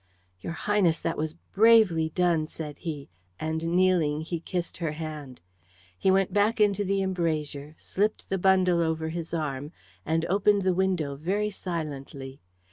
"Your Highness, that was bravely done," said he, and kneeling he kissed her hand. He went back into the embrasure, slipped the bundle over his arm, and opened the window very silently.